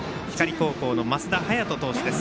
高校の升田早人投手です。